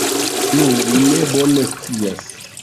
Nu, mi ne bone scias.